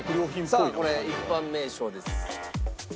さあこれ一般名称です。